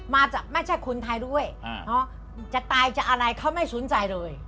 มาจากไม่ใช่คนไทยด้วยจะตายจะอะไรเขาไม่สนใจเลย